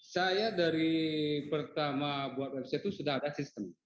saya dari pertama buat website itu sudah ada sistem